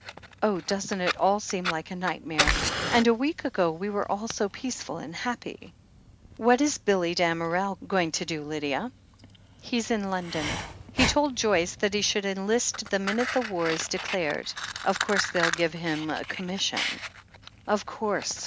Oh, doesn't it all seem like a nightmare ?— and a week ago we were all so peaceful and happy ! What is Billy Damerel going to do, Lydia?" "He's in London. He told Joyce that he should enlist the minute war is declared — of course they'll give him a commission." "Of course.